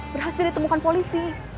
berhasil ditemukan polisi